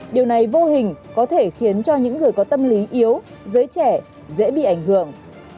điều này vô hình có thể khiến cho những người có tâm lý yếu giới trẻ dễ bị ảnh hưởng